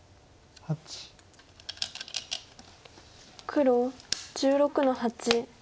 黒１６の八。